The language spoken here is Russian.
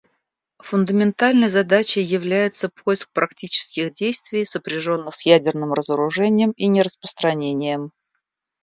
Фундаментальной задачей является поиск практических действий, сопряженных с ядерным разоружением и нераспространением.